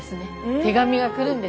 手紙が来るんです。